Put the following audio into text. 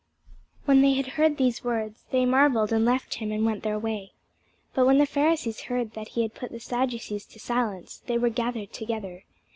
When they had heard these words, they marvelled, and left him, and went their way. But when the Pharisees had heard that he had put the Sadducees to silence, they were gathered together.